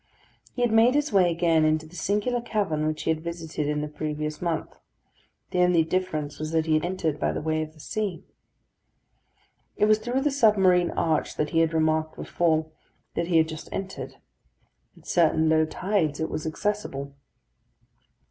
He had made his way again into the singular cavern which he had visited in the previous month. The only difference was that he had entered by the way of the sea. It was through the submarine arch, that he had remarked before, that he had just entered. At certain low tides it was accessible.